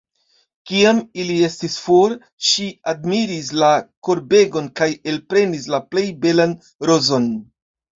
Kiam ili estis for, ŝi admiris la korbegon kaj elprenis la plej belan rozon.